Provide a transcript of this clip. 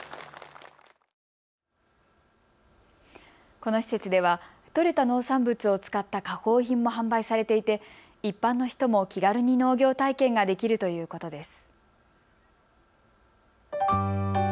この施設では、採れた農産物を使った加工品も販売されていて一般の人も気軽に農業体験ができるということです。